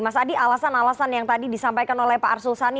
mas adi alasan alasan yang tadi disampaikan oleh pak arsul sani